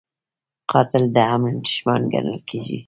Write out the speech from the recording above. قاتل د امن دښمن ګڼل کېږي